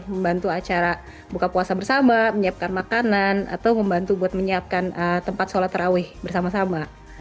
membantu acara buka puasa bersama menyiapkan makanan atau membantu buat menyiapkan tempat sholat terawih bersama sama